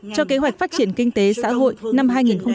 cho kế hoạch phát triển kinh tế xã hội năm hai nghìn hai mươi